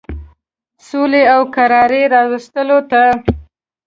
سولي او کراري راوستلو ته.